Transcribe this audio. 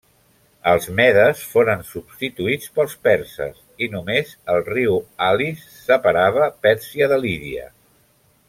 Els medes foren substituïts pels perses i només el riu Halis separava Pèrsia de Lídia.